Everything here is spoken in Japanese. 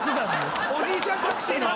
おじいちゃんタクシーの。